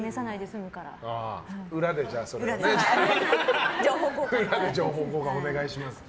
裏で、じゃあ情報交換お願いします。